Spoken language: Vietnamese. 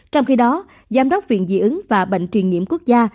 trong khi đó giám đốc viện dị ứng và bệnh truyền nhiễm quốc gia